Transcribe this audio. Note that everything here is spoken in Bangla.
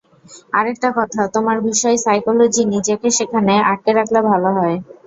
আরেকটা কথা-তোমার বিষয় সাইকোলজি, নিজেকে সেখানে আটকে রাখলে ভালো হয়।